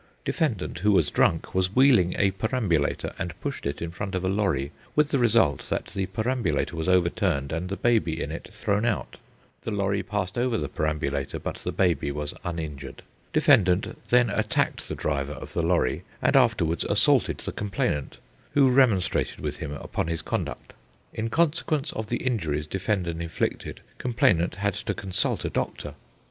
Defendant, who was drunk, was wheeling a perambulator and pushed it in front of a lorry, with the result that the perambulator was overturned and the baby in it thrown out. The lorry passed over the perambulator, but the baby was uninjured. Defendant then attacked the driver of the lorry, and afterwards assaulted the complainant, who remonstrated with him upon his conduct. In consequence of the injuries defendant inflicted, complainant had to consult a doctor.